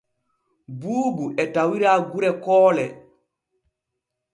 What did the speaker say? Buubu e tawira gure Koole.